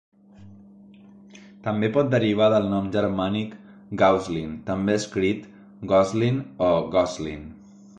També pot derivar del nom germànic Gauzlin, també escrit Gozlin o Goslin.